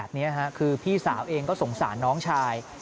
นี่คือพี่สาวเองก็สงสารน้องชาย